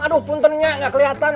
aduh puntennya gak keliatan